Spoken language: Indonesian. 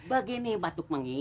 bagi nih batuk mangi